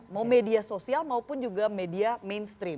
mau media sosial maupun juga media mainstream